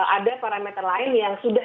ada parameter lain yang sudah